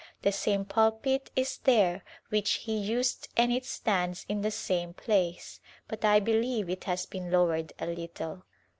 The same pulpit is there which he used and it stands in the same place, but I believe it has been lowered a little.